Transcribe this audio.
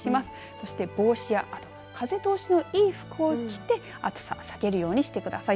そして帽子やあと風通しのいい服を着て暑さを避けるようにしてください。